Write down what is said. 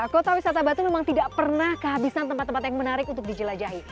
kota wisata batu memang tidak pernah kehabisan tempat tempat yang menarik untuk dijelajahi